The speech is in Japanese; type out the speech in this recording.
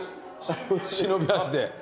忍び足で。